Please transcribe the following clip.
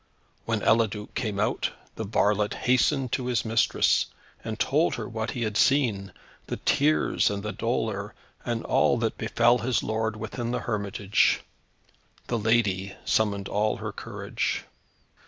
When Eliduc came out, the varlet hastened to his mistress, and told her what he had seen, the tears and dolour, and all that befell his lord within the hermitage. The lady summoned all her courage.